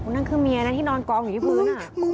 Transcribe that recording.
นั่นคือเมียนะที่นอนกองอยู่ที่พื้น